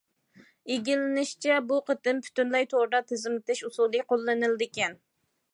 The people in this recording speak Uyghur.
ئىگىلىنىشىچە، بۇ قېتىم پۈتۈنلەي توردا تىزىملىتىش ئۇسۇلى قوللىنىلىدىكەن.